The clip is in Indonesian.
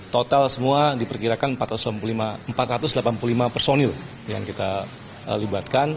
total semua diperkirakan empat ratus delapan puluh lima personil yang kita libatkan